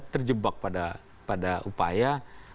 terjebak pada upaya